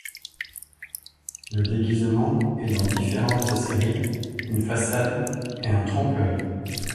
Le déguisement est dans différentes séries une façade et un trompe-l’œil.